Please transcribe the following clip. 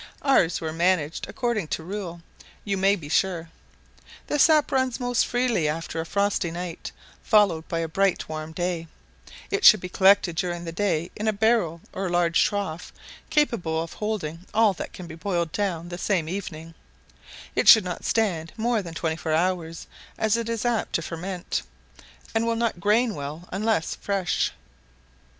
Ours were managed according to rule, you may be sure. The sap runs most freely after a frosty night, followed by a bright warm day; it should be collected during the day in a barrel or large trough, capable of holding all that can be boiled down the same evening; it should not stand more than twenty four hours, as it is apt to ferment, and will not grain well unless fresh.